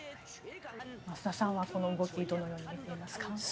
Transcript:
増田さんは、この動きどのように見ていますか？